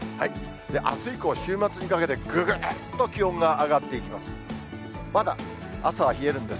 あす以降、週末にかけて、ぐぐーっと気温が上がっていきます。